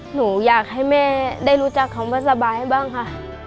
หนูอยากให้แม่ได้รู้จักคำว่าสบายให้บ้างค่ะ